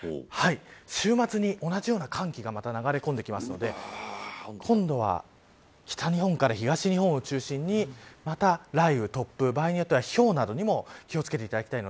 週末に同じような寒気がまた流れ込んでくるので今度は北日本から東日本を中心にまた雷雨、突風場合によっては、ひょうなどにも気を付けてください。